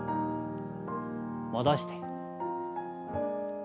戻して。